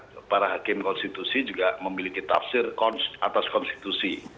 karena para hakim konstitusi juga memiliki tafsir atas konstitusi